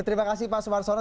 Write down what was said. terima kasih pak sumarsono